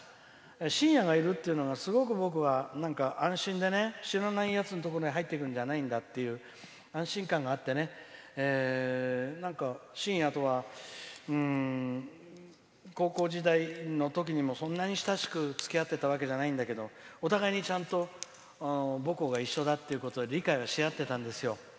しんやがいるっていうのがすごく僕は安心で、知らないやつのところに入っていくんじゃないっていう安心感があってなんか、しんやとは高校時代のときにもそんなに親しくつきあってたわけじゃないんだけどお互いに、ちゃんと母校が一緒だっていうことで理解をしあってたんですよ。